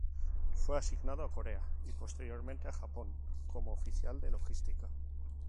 Fue asignado a Corea y posteriormente a Japón como Oficial de Logística.